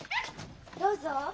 どうぞ。